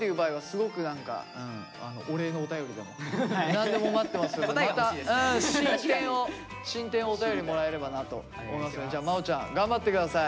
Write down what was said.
何でも待ってますのでまた進展をお便りもらえればなと思いますのでまおちゃん頑張って下さい。